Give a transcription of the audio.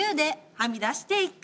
はみ出していく。